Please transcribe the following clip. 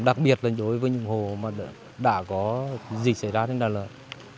đặc biệt là đối với những hồ mà đã có dịch xảy ra trên đàn lợn